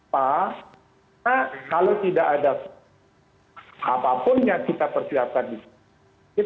karena kalau tidak ada apapun yang kita persiapkan di sini